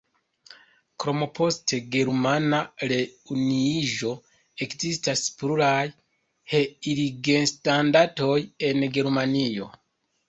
Krome, post germana reunuiĝo, ekzistis pluraj Heiligenstadt-oj en Germanio.